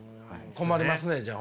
困りますねじゃあ。